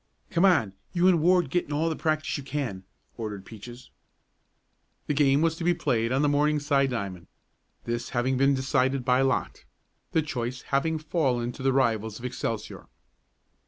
"Come on, you and Ward get in all the practice you can," ordered Peaches. The game was to be played on the Morningside diamond, this having been decided by lot, the choice having fallen to the rivals of Excelsior.